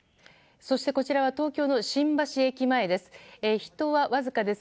そして、こちらは東京の新橋駅前です。